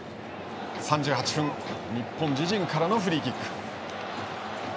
３８分日本、自陣からのフリーキック。